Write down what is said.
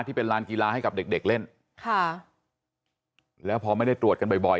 ที่เป็นลานกีฬาให้กับเด็กเด็กเล่นค่ะแล้วพอไม่ได้ตรวจกันบ่อยบ่อย